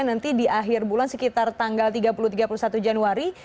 nanti di akhir bulan sekitar tanggal tiga puluh tiga puluh satu januari